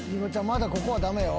まだここは駄目よ。